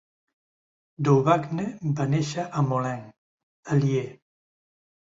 Dauvergne va néixer a Moulins, Allier.